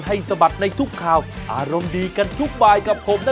ให้แกดอยู่ต่อ